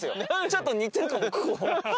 ちょっと似てるかもここ。